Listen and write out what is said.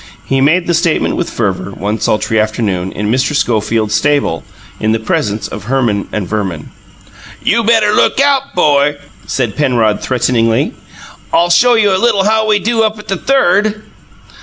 He made the statement with fervour, one sultry afternoon, in Mr. Schofield's stable, in the presence of Herman and Verman. "You better look out, 'bo," said Penrod, threateningly. "I'll show you a little how we do up at the Third."